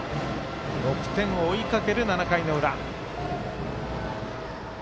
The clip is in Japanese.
６点を追いかける７回の裏。